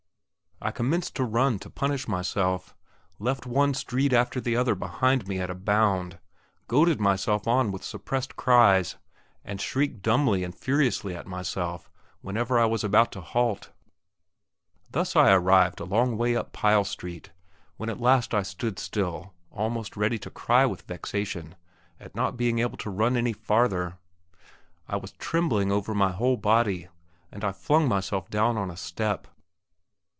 I commenced to run to punish myself, left one street after the other behind me at a bound, goaded myself on with suppressed cries, and shrieked dumbly and furiously at myself whenever I was about to halt. Thus I arrived a long way up Pyle Street, when at last I stood still, almost ready to cry with vexation at not being able to run any farther. I was trembling over my whole body, and I flung myself down on a step.